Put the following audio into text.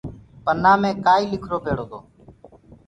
پنآ مي ڪآئيٚ لکرو پيڙو تو۔